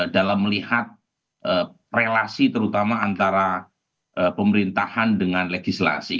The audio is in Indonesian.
dalam melihat relasi terutama antara pemerintahan dengan legislasi